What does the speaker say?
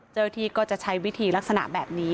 เจ้าหน้าที่ก็จะใช้วิธีลักษณะแบบนี้